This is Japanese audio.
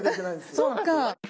そっか。